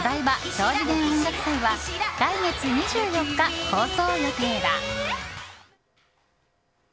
超次元音楽祭」は来月２４日放送予定だ。